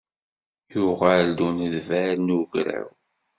Yuɣal-d unedbal n ugraw.